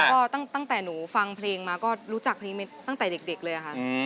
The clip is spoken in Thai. ก็ตั้งแต่หนูฟังเพลงมาก็รู้จักเพลงตั้งแต่เด็กเลยค่ะ